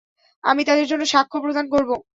আমি তাঁদের জন্য সাক্ষ্য প্রদান করব।